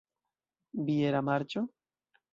Biera marĉo?